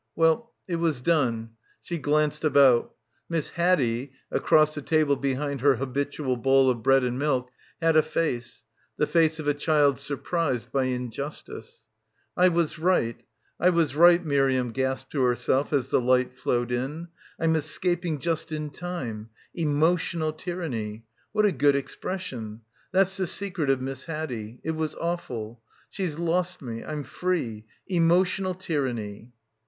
Well, it was done. She glanced about. Miss Haddie, across the table behind her habitual bowl of bread and milk had a face — the face of a child surprised by injustice. *I was right — I was right, 9 Miriam gasped to herself as the light flowed in. Tm escaping — just in time. ... Emotional tyranny. ... What a good expression ... that's the secret of Miss Haddie. It was awful. She's lost me. I'm free. Emotional tyranny